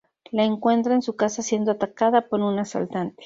La encuentra en su casa siendo atacada por un asaltante.